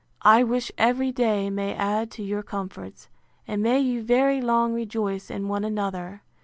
I wish every day may add to your comforts; and may you very long rejoice in one another!